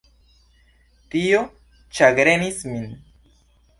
Tio ĉagrenis min.